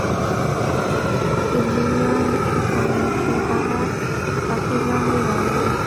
کیبلیان نه شي کولای چې هغه تر تعقیب لاندې راولي.